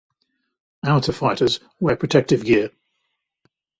Amateur fighters wear protective gear.